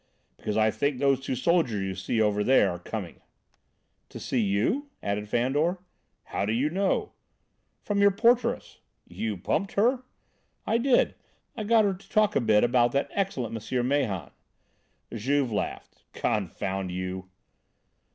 "Because I think those two soldiers you see over there are coming." "To see you," added Fandor. "How do you know?" "From your porteress." "You pumped her?" "I did. I got her to talk a bit about that excellent M. Mahon." Juve laughed: "Confound you!"